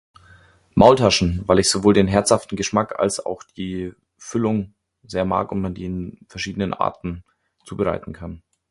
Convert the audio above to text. Maultaschen, weil ich sowohl den herzhaften Geschmack als auch die Füllung sehr mag und man die in verschiedenen Arten zubereiten kann.